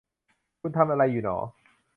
คุณทำอะไรอยู่หนอ ?